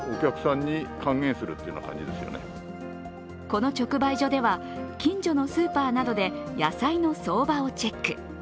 この直売所では、近所のスーパーなどで野菜の相場をチェック。